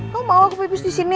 kamu mau aku pipis di sini